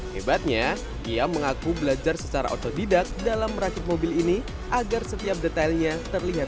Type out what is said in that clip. hebatnya ia mengaku belajar secara otodidak dalam merakit mobil ini agar setiap detailnya terlihat